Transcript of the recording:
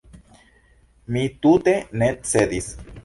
Mi tute ne cedis.